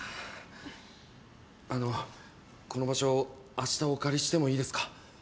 あのこの場所を明日お借りしてもいいですか？